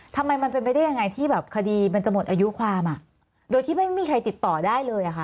ทำไมมันเป็นไปได้อย่างไรที่คดีมันจะหมดอายุความโดยที่ไม่มีใครติดต่อได้เลย